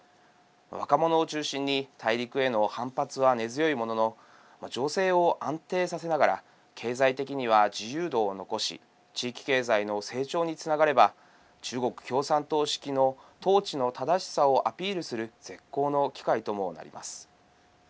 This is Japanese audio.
若者を中心に大陸への反発は根強いものの情勢を安定させながら経済的には自由度を残し地域経済の成長につながれば、中国共産党式の統治の正しさをアピールする絶好の機会ともなります。